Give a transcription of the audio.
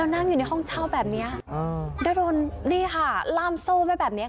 เธอนั่งอยู่ในห้องเช่าแบบเนี้ยอืมได้รนนี่ค่ะลามโซ่ไว้แบบเนี้ย